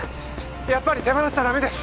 やっぱり手放しちゃダメです！